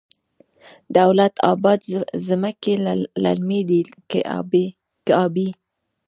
دولت اباد ځمکې للمي دي که ابي؟